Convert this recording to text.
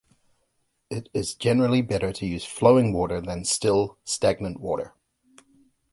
It is generally better to use flowing water than still, stagnant water.